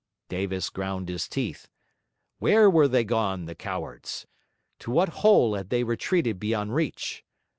Davis ground his teeth. Where were they gone, the cowards? to what hole had they retreated beyond reach?